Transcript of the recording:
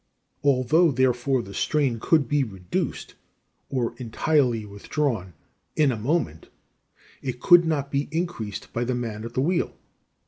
Although, therefore, the strain could be reduced or entirely withdrawn in a moment, it could not be increased by the man at the wheel.